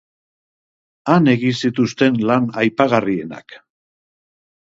Han egin zituen lan aipagarrienak.